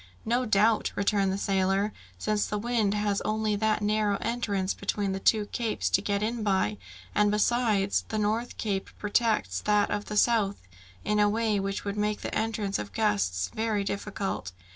"No doubt," returned the sailor, "since the wind has only that narrow entrance between the two capes to get in by; and besides, the north cape protects that of the south in a way which would make the entrance of gusts very difficult.